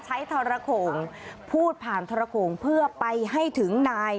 ทรโขงพูดผ่านทรโขงเพื่อไปให้ถึงนาย